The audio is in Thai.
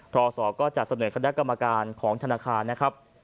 พรศอก็จะเสนอคำแนะกรรมการของธนาคาร